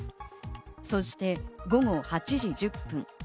そして午後８時１０分。